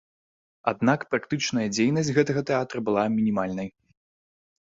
Аднак, практычная дзейнасць гэтага тэатра была мінімальнай.